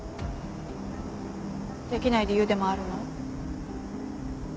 できない理由でもあるの？